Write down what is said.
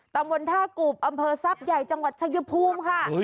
ตำบลท่ากูบอำเภอทรัพย์ใหญ่จังหวัดชายภูมิค่ะ